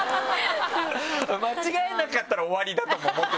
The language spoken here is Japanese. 間違えなかったら終わりだとも思ってほしいね。